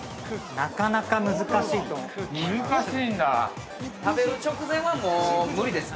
◆なかなか難しいと思います。